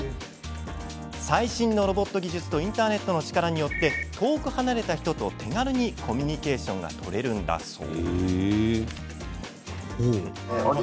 最新のロボット技術とインターネットの力によって遠く離れた人と手軽にコミュニケーションが取れるんだそう。